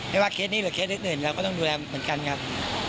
ว่าเคสนี้หรือเคสอื่นเราก็ต้องดูแลเหมือนกันครับ